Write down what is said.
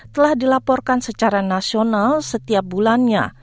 telah dilaporkan secara nasional setiap bulannya